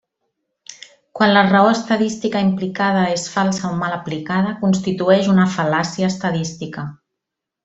Quan la raó estadística implicada és falsa o mal aplicada constitueix una fal·làcia estadística.